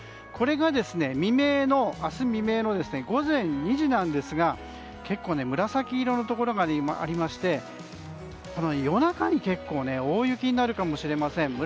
これが明日未明の午前２時なんですが結構、紫色のところがありまして夜中に結構大雪になるかもしれません。